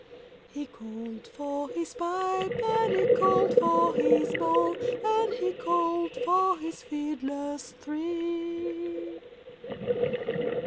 He called for his pipe, And he called for his bowl, And he called for his fiddlers three.